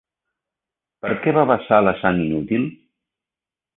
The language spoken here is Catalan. Per què vessar la sang inútil?